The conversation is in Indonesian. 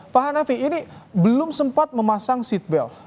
pak hanafi ini belum sempat memasang seatbelt